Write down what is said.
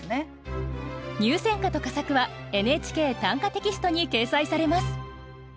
入選歌と佳作は「ＮＨＫ短歌」テキストに掲載されます。